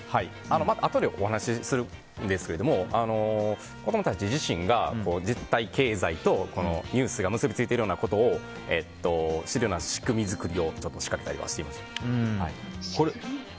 あとでお話しするんですけれども子供たち自身が、経済とニュースが結びついてるようなことを知るような仕組み作りを仕掛けたりはしてます。